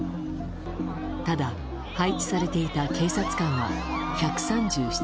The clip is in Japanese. ただ、配置されていた警察官は１３７人。